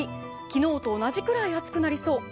昨日と同じくらい暑くなりそう。